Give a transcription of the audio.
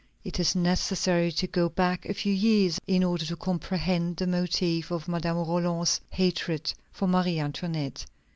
It is necessary to go back a few years in order to comprehend the motive of Madame Roland's hatred for Marie Antoinette.